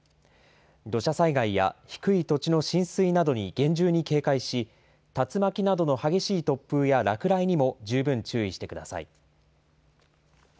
土砂災害や低い土地の浸水などに厳重に警戒し、竜巻などの激しい突風や落雷にも十分注意してください。